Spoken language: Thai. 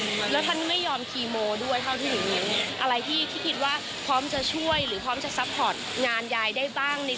อะไรที่คิดว่าพร้อมจะช่วยหรือพร้อมจะซัพพอร์ตงานยายได้บ้าง